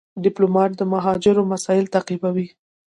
ډيپلومات د مهاجرو مسایل تعقیبوي.